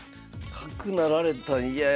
角成られたん嫌やな。